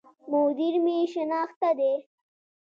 مدير مي شناخته دی